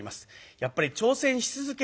やっぱり挑戦し続けること。